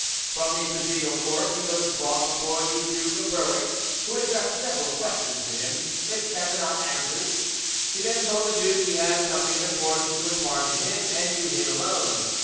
From the Presidial Court he was brought before the Duke of Berwick, who addressed several questions to him, which Catinat answered; he then told the duke he had something of importance to impart to him and to him alone.